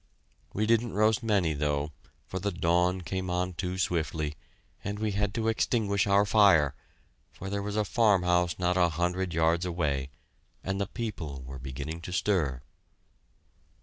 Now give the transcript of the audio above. We didn't roast many, though, for the dawn came on too swiftly, and we had to extinguish our fire, for there was a farmhouse not a hundred yards away, and the people were beginning to stir.